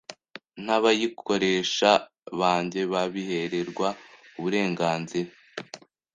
n’abayikoresha bajye babihererwa uburenganzira.